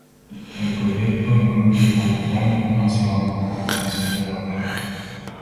El proyecto incluye cantidad de información, como el diseño de la placa.